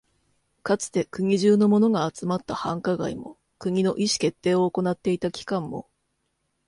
かつて国中のものが集まった繁華街も、国の意思決定を行っていた機関も、